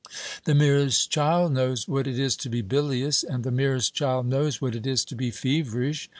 The merest child knows what it is to be bilious, and the merest child knows what it is to be feverish.